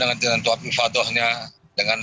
dengan tentu apifatohnya dengan